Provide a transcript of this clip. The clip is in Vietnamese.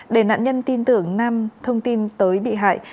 để nạn nhân tin tưởng nam thông tin tới bị hại